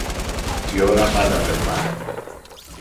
Η ώρα πάντα περνά.